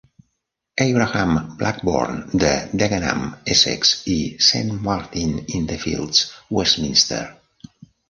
Abraham Blackborne de Dagenham, Essex, i Saint Martin-in-the-Fields, Westminster.